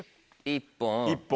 １本。